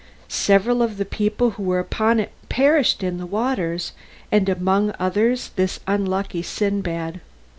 Several of the people who were upon it perished in the waters, and among others this unlucky Sindbad.